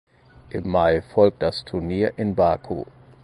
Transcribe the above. Im Mai folgt das Turnier in Baku.